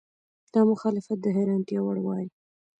دا مخالفت د حیرانتیا وړ وای.